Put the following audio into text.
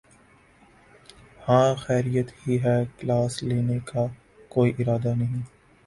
ہاں خیریت ہی ہے۔۔۔ کلاس لینے کا کوئی ارادہ ہے؟